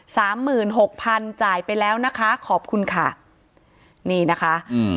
สามหมื่นหกพันจ่ายไปแล้วนะคะขอบคุณค่ะนี่นะคะอืม